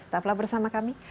tetaplah bersama kami